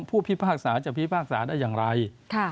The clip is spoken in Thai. คือผู้พิพากษาจะพิพากษาได้อย่างไรค่ะ